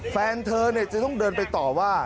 แฟนเธอจะต้องเดินไปต่อว่า